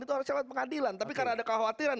itu harusnya lewat pengadilan tapi karena ada kekhawatiran